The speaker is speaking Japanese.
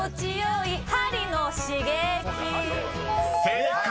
［正解！